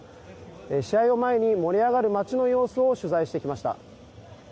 試合を前に盛り上がる街の様子を取材してきました。